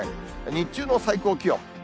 日中の最高気温。